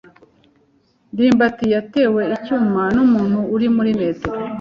ndimbati yatewe icyuma n'umuntu uri muri metero.